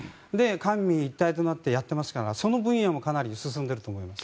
官民一体となってやっていますからその分野もかなり進んでいると思いますよ。